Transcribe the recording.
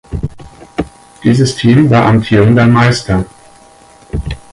Dieses Team war amtierender Meister.